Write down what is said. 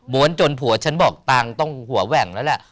ม้วนจนผัวฉันบอกต่างต้องหัวแหว่งแล้วล่ะ